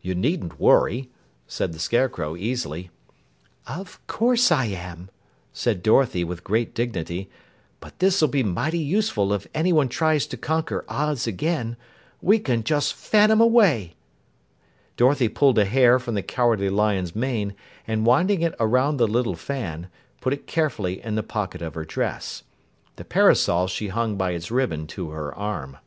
You needn't worry," said the Scarecrow easily. "Of course I am," said Dorothy with great dignity. "But this'll be mighty useful if anyone tries to conquer Oz again. We can just fan 'em away." Dorothy pulled a hair from the Cowardly Lion's mane, and winding it around the little fan, put it carefully in the pocket of her dress. The parasol she hung by its ribbon to her arm.